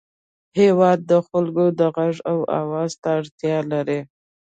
هېواد د خلکو د غوږ او اواز ته اړتیا لري.